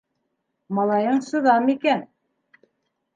- Малайың сыҙам икән.